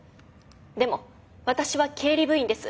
でも私は経理部員です。